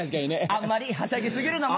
あんまりはしゃぎ過ぎるのも。